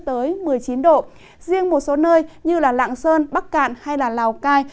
tới một mươi chín độ riêng một số nơi như lạng sơn bắc cạn hay lào cai